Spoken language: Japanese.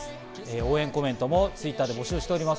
応援コメントもＴｗｉｔｔｅｒで募集しております。